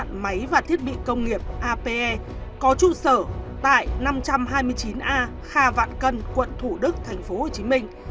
đoàn hữu hạn máy và thiết bị công nghiệp có trụ sở tại năm trăm hai mươi chín a kha vạn cân quận thủ đức thành phố hồ chí minh